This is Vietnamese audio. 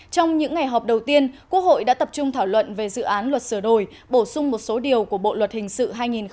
trong những ngày họp đầu tiên quốc hội đã tập trung thảo luận về dự án luật sửa đổi bổ sung một số điều của bộ luật hình sự hai nghìn một mươi năm